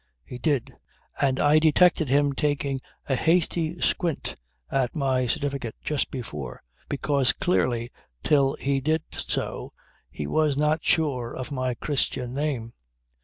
He did. And I detected him taking a hasty squint at my certificate just before, because clearly till he did so he was not sure of my christian name.